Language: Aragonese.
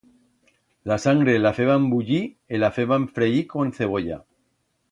La sangre la feban bullir e la feban freir con cebolla.